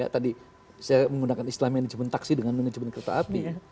tadi saya menggunakan istilah manajemen taksi dengan manajemen kereta api